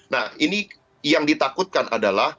nah ini yang ditakutkan adalah